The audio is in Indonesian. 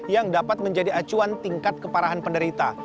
yang dapat menjadi acuan tingkat keparahan penderita